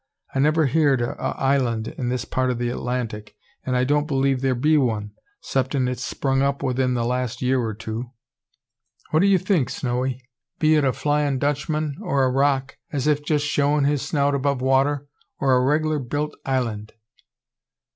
I never heerd o' a island in this part of the Atlantic, an' I don't believe thear be one, 'ceptin' it's sprung up within the last year or two. What do you think, Snowy? Be it a Flyin' Dutchman, or a rock, as if just showin' his snout above water, or a reg'lar built island?"